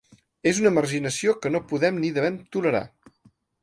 És una marginació que no podem ni devem tolerar.